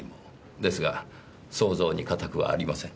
ですが想像に難くはありません。